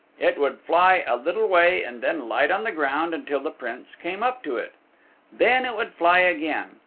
It would fly a little way and then light on the ground until the Prince came up to it. Then it would fly again.